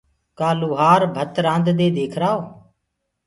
ڪآ لوهآرو ڀت رآنددي ديکرآئو